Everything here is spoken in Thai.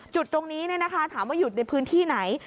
จุดตรงนี้เนี่ยนะคะถามว่าอยู่ในพื้นที่ไหน